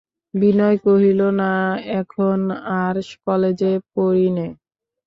বিনয় কহিল, না, এখন আর কলেজে পড়ি নে।